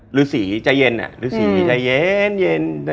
หรือสีใจเย็น